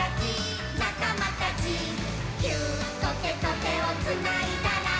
「ギューッとてとてをつないだら」